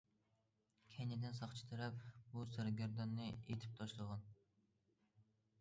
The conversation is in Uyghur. كەينىدىن ساقچى تەرەپ بۇ سەرگەرداننى ئېتىپ تاشلىغان.